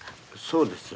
そうです。